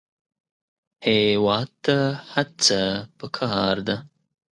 هېواد ته هڅه پکار ده